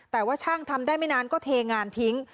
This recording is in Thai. แต่ว่าช่างทำได้ไม่นานก็เทงานทิ้ง